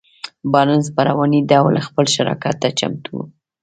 بارنس په رواني ډول خپل شراکت ته چمتو و.